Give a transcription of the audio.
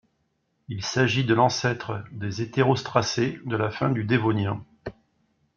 Il s'agit de l'ancêtre des hétérostracés de la fin du Dévonien.